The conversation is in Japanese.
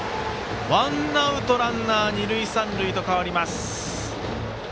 ワンアウト、ランナー二塁三塁へと変わります。